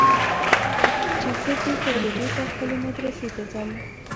چې زه بېرته کوټې ته خپلې مدرسې ته ځم.